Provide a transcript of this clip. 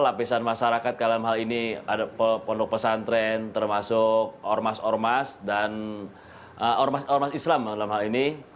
lapisan masyarakat dalam hal ini ada pondok pesantren termasuk ormas ormas dan ormas ormas islam dalam hal ini